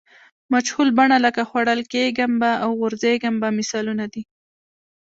مجهول بڼه لکه خوړل کیږم به او غورځېږم به مثالونه دي.